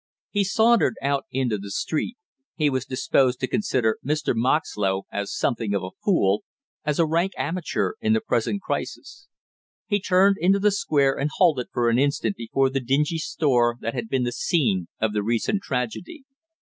He sauntered out into the street; he was disposed to consider Mr. Moxlow as something of a fool, as a rank amateur in the present crisis. He turned into the Square and halted for an instant before the dingy store that had been the scene of the recent tragedy.